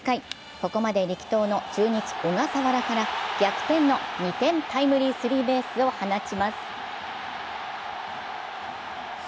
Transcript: ここまで力投の中日・小笠原から逆転の２点タイムリースリーベースを放ちます。